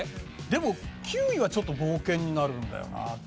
でも９位はちょっと冒険になるんだよな。